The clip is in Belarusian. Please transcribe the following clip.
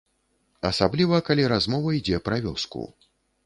Асабліва, калі размова ідзе пра вёску.